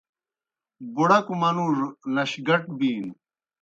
بُڑَکوْ منُوڙوْ نشگٹ بِینوْ۔